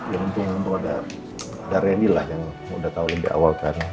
ya untung untung ada ada randy lah yang udah tahu lebih awal kan